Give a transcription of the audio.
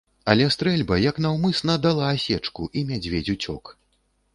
Але стрэльба, як наўмысна, дала асечку, і мядзведзь уцёк.